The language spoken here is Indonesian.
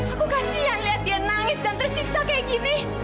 aku kasihan lihat dia nangis dan tersiksa kayak gini